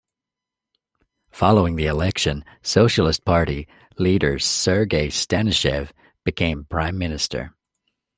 Following the election, Socialist Party leader Sergei Stanishev became Prime Minister.